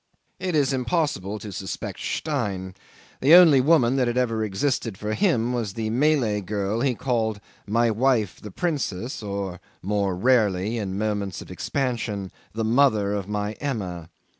It is impossible to suspect Stein. The only woman that had ever existed for him was the Malay girl he called "My wife the princess," or, more rarely, in moments of expansion, "the mother of my Emma."